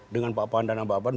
dengan pak pandana mbak abang